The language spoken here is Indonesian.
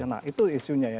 nah itu isunya ya